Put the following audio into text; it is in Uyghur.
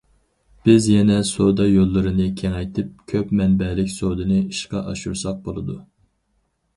بىز يەنە سودا يوللىرىنى كېڭەيتىپ، كۆپ مەنبەلىك سودىنى ئىشقا ئاشۇرساق بولىدۇ.